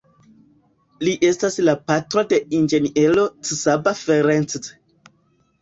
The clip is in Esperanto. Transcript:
Li estas la patro de inĝeniero Csaba Ferencz.